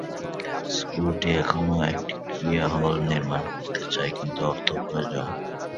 স্কুলটি এখনও একটি ক্রীড়া হল নির্মাণ করতে চায়, কিন্তু অর্থ প্রয়োজন।